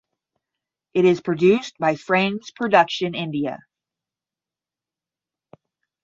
It is produced by Frames Production India.